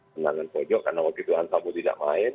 menangan pojok karena waktu itu ansapu tidak main